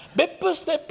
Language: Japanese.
ステップ！